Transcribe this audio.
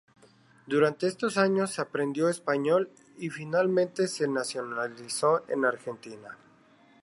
Durante estos años aprendió español y finalmente se nacionalizó argentina.